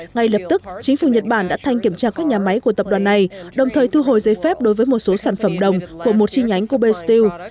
ngay lập tức chính phủ nhật bản đã thanh kiểm tra các nhà máy của tập đoàn này đồng thời thu hồi giấy phép đối với một số sản phẩm đồng của một chi nhánh kobe steel